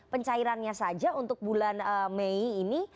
pencairannya saja untuk bulan mei ini